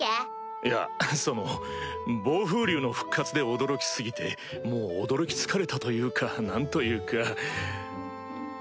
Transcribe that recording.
いやその暴風竜の復活で驚き過ぎてもう驚き疲れたというか何というか。